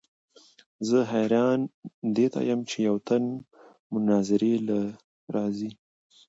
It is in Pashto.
زۀ حېران دې ته يم چې يو تن مناظرې له راځي